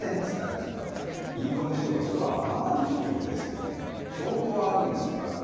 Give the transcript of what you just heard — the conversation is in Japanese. つったんですけど銀行の人が「それはあなたの主張ですよね。証拠はあるんですか？」